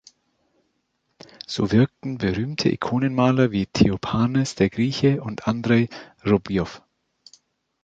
So wirkten berühmte Ikonenmaler wie Theophanes der Grieche und Andrei Rubljow.